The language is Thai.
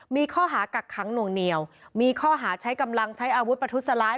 มีข้อหากักขังหน่วงเหนียวมีข้อหาใช้กำลังใช้อาวุธประทุษร้าย